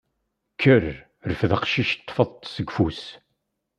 Kker, rfed aqcic teṭṭfeḍ-t seg ufus.